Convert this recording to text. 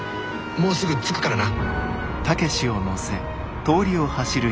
もうすぐ着くからな。